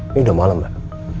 ini udah malem mbak